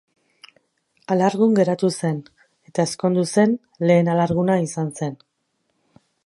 Alargun geratu zen, eta ezkondu zen lehen alarguna izan zen.